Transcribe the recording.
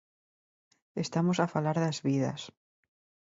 Estamos a falar das vidas.